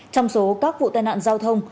trong số các vụ tai nạn giao thông